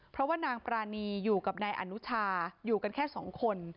เพราะว่านางปรานีอยู่กับนายอนุชาอยู่กันแค่สองคน